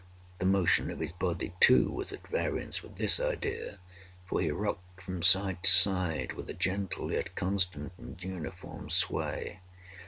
The motion of his body, too, was at variance with this idea—for he rocked from side to side with a gentle yet constant and uniform sway.